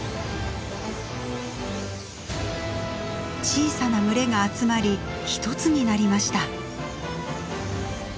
小さな群れが集まり一つになりました。